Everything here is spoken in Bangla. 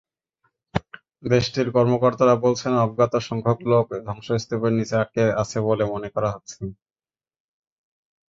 দেশটির কর্মকর্তারা বলছেন, অজ্ঞাতসংখ্যক লোক ধ্বংসস্তূপের নিচে আটকে আছে বলে মনে করা হচ্ছে।